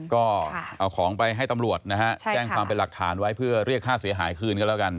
ก็เอาของไปให้ตำรวจนะฮะแจ้งความเป็นหลักฐานไว้เพื่อเรียกค่าเสียหายคืนกันแล้วกัน